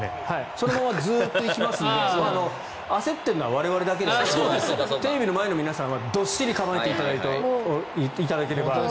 そのままずっと行きますので焦っているのは我々だけなのでテレビの前の皆さんはどっしり構えていただければ。